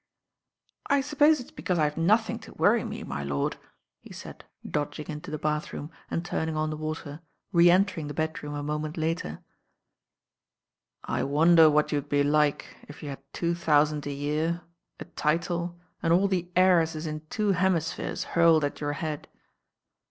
"I suppose it's because I have nothing to worry me, my lord," he said, dodging into the bathroom and turning on the water, re entering the bedroom a moment later. "I wonder what you'd be like if you had two thou sand a year, a title, and all the heiresses in two hemispheres hurled at your head."